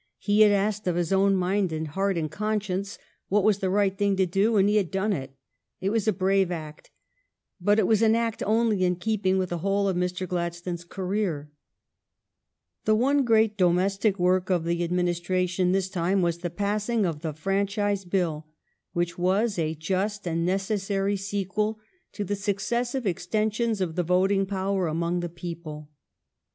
He had asked of his own mind and heart and con science what was the right thing to do and he had done it. It was a brave act. But it was an act only in keeping with the whole of Mr. Gladstone s career. The one great domestic work of the adminis tration this time was the passing of the Franchise Bill, which was a just and necessary sequel to the successive extensions of the voting power among the people.